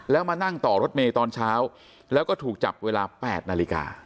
แล้วมานั่งต่อรถเมย์ตอนเช้าแล้วก็ถูกจับเวลา๘นาฬิกา